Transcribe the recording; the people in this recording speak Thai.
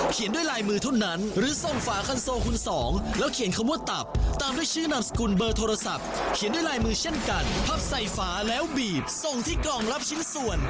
ด้วยลายมือเท่านั้นหรือส่งฝาคันโซคุณสองแล้วเขียนคำว่าตับตามด้วยชื่อนามสกุลเบอร์โทรศัพท์เขียนด้วยลายมือเช่นกันพับใส่ฝาแล้วบีบส่งที่กล่องรับชิ้นส่วน